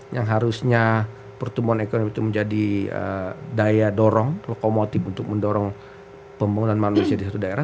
yang harusnya pertumbuhan ekonomi itu menjadi daya dorong lokomotif untuk mendorong pembangunan manusia di satu daerah